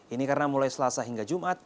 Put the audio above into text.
ini karena mulai selasa hingga jumat